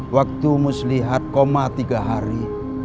waktu muslihat koma tiga hari